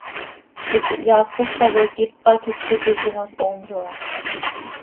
Hipi hyaaspoj tacoi quipac iti cöiquinol hoomzo ha.